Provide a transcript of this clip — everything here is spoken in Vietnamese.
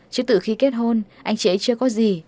chứ từ khi kết hôn anh chị ấy chưa có gì